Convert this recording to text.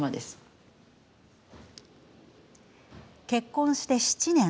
結婚して７年。